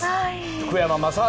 福山雅治